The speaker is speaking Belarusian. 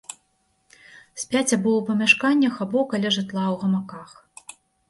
Спяць або ў памяшканнях, або каля жытла ў гамаках.